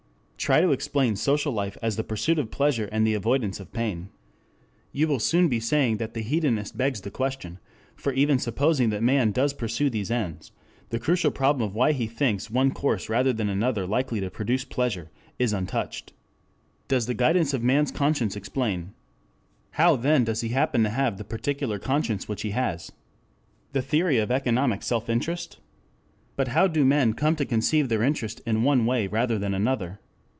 Try to explain social life as the pursuit of pleasure and the avoidance of pain. You will soon be saying that the hedonist begs the question, for even supposing that man does pursue these ends, the crucial problem of why he thinks one course rather than another likely to produce pleasure, is untouched. Does the guidance of man's conscience explain? How then does he happen to have the particular conscience which he has? The theory of economic self interest? But how do men come to conceive their interest in one way rather than another?